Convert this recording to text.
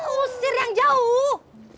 usir yang jauh